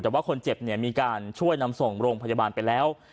แต่ว่าคนเจ็บเนี่ยมีการช่วยนำส่งโรงพยาบาลไปแล้ว